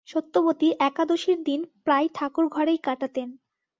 সত্যবতী একাদশীর দিন প্রায় ঠাকুরঘরেই কাটাতেন।